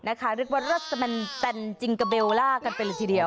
นะคะเรียกว่ารัสแมนแปนจิงกาเบลล่ากันเป็นทีเดียว